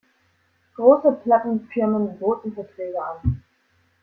Große Plattenfirmen boten Verträge an.